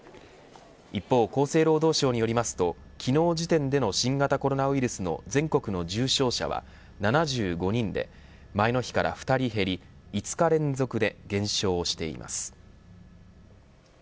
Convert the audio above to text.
一方、厚生労働省によりますと昨日時点での新型コロナウイルスの全国の重症者は７５人で前の日から２人減り５日連続で減少しています。